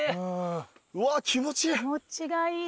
うわ気持ちいい。